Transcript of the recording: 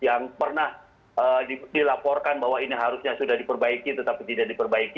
yang pernah dilaporkan bahwa ini harusnya sudah diperbaiki tetapi tidak diperbaiki